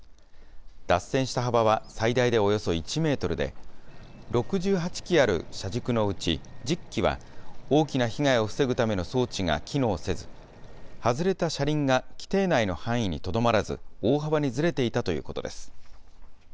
脱線した幅は最大でおよそ１メートルで、６８基ある車軸のうち、１０基は大きな被害を防ぐための装置が機能せず、外れた車輪が規定内の範囲にとどまらず、大幅にずれていたということです。